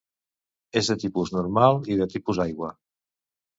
És de tipus normal i de tipus aigua.